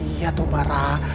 iya tuh marah